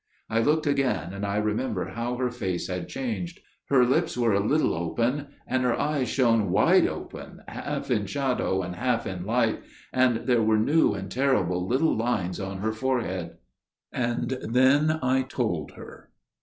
I looked again, and I remember how her face had changed. Her lips were a little open, and her eyes shone wide open, half in shadow and half in light, and there were new and terrible little lines on her forehead. And then I told her.